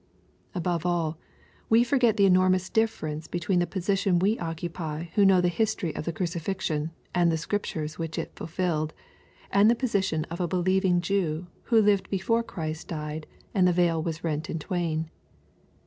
Above all, we forget the enormous difference between the position we occupy who know the history of the crucifixion and the Scriptures which it fulfilled, and the position of a believing Jew who lived before Christ died and the veil was rent in twain.